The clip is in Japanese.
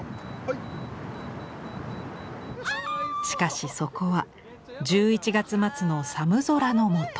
しかしそこは１１月末の寒空の下。